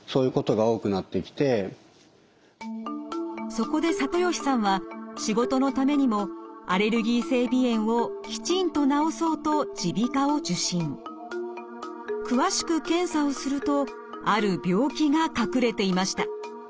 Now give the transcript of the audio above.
そこで里吉さんは仕事のためにもアレルギー性鼻炎をきちんと治そうと詳しく検査をするとある病気が隠れていました。